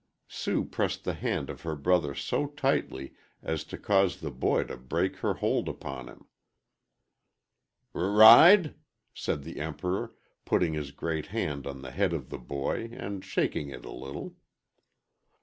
Sue pressed the hand of her brother so tightly as to cause the boy to break her hold upon him. "R ride?" said the Emperor, putting his great hand on the head of the boy and shaking it a little.